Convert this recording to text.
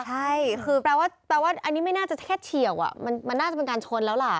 ใช่คือแปลว่าอันนี้ไม่น่าจะแค่เฉียวมันน่าจะเป็นการชนแล้วล่ะ